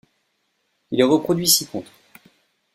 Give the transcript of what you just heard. Il est reproduit ci-contre.